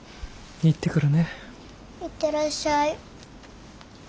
行ってらっしゃい。